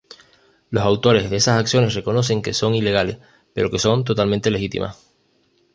Los autores de esas acciones reconocen que son ilegales pero que son totalmente legítimas.